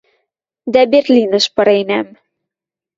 Дӓ Берлинӹш пыренӓм.